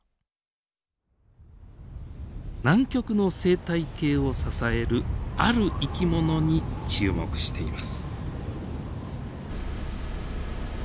南極の生態系を支えるある生き物に注目しています。